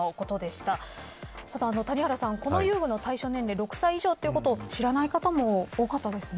ただ谷原さん、この遊具の対象年齢６歳以上ということを知らない方も多かったですね。